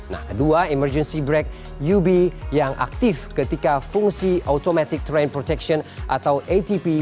nah kedua emergency break ub yang aktif ketika fungsi automatic train protection atau atp